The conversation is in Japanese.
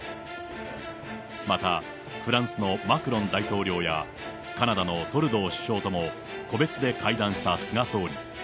また、フランスのマクロン大統領やカナダのトルドー首相とも個別で会談した菅総理。